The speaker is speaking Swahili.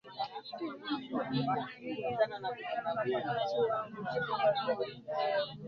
na na na namna hiyo unatamani watu wapone magonjwa yao